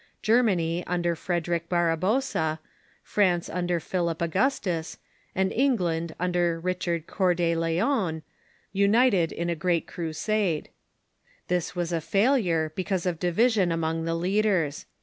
Germany under Frederic Barbarossa, France under Philip Augustus, and England under Richai d Cffiur de Lion, united in a great Crusade. This was a failure, because of division among the leaders.